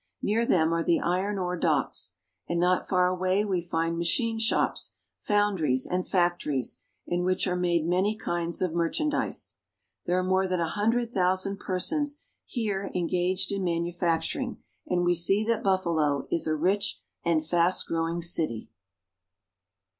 Near them are the iron ore docks ; and not far away we find machine shops, foundries, and factories, in which are made many kinds of merchandise. There are more than a hundred thousand persons here engaged in manufacturing, and we see that Buffalo is a rich and fast growing city.